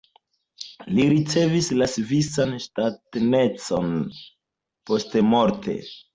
Li ricevis la svisan ŝtatanecon postmorte.